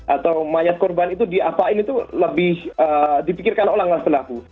atau mayat korban itu diapain itu lebih dipikirkan oleh orang lain pelaku